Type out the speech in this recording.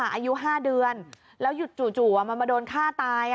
อายุ๕เดือนแล้วจู่มันมาโดนฆ่าตาย